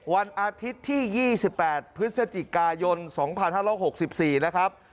วันที่๘พฤศจิกายน๒๕๖๔นะครับ